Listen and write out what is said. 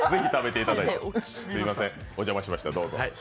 すみません、お邪魔しました。